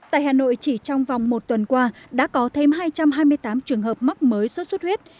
tại hà nội chỉ trong vòng một tuần qua đã có thêm hai trăm hai mươi tám trường hợp mắc mới xuất xuất huyết